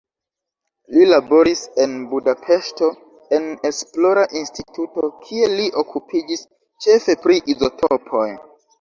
Li laboris en Budapeŝto en esplora instituto, kie li okupiĝis ĉefe pri izotopoj.